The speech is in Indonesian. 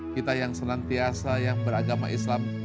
kita yang senantiasa yang beragama islam